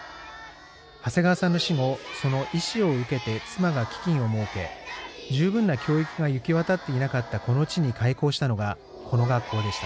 長谷川さんの死後その遺志を受けて妻が基金を設け十分な教育が行き渡っていなかったこの地に開校したのがこの学校でした。